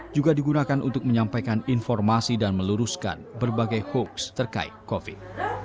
juga digunakan untuk menyampaikan informasi dan meluruskan berbagai hoaks terkait covid sembilan belas